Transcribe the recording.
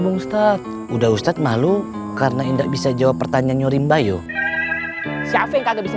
ustadz ustadz malu karena indah bisa jawab pertanyaan nyurim bayo siapa yang kagak bisa